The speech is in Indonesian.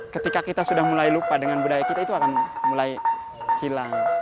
ketika kita sudah mulai lupa dengan budaya kita itu akan mulai hilang